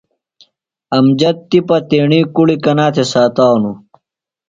امجد تِپہ تیݨی کُڑی کنا تھےۡ ساتانوۡ؟